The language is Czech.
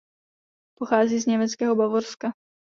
Pochází z německého Bavorska.